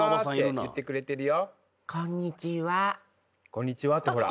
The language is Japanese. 「こんにちは」ってほら。